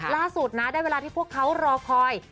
ล่าสุดนะได้เวลาที่พวกเขารอคอย